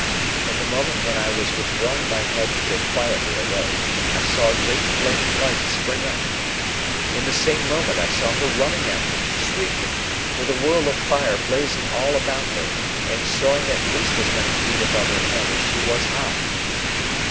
In the moment when I was withdrawing my head to go quietly away, I saw a great flaming light spring up. In the same moment I saw her running at me, shrieking, with a whirl of fire blazing all about her, and soaring at least as many feet above her head as she was high.